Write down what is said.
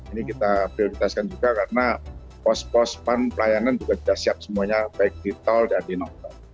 ini kita prioritaskan juga karena pos pos pan pelayanan juga sudah siap semuanya baik di tol dan di non tol